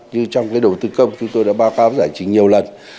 như trong cái đầu tư công chúng tôi đã báo cáo giải trình nhiều lần